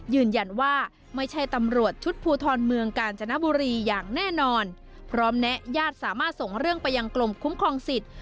ยืนยันว่าไม่ใช่ตำรวจชุดภูทรเมืองกาญจนบุรีอย่างแน่นอนพร้อมแนะญาติสามารถส่งเรื่องไปยังกลมคุ้มครองสิทธิ์